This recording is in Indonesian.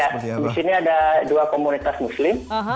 di sini ada dua komunitas muslim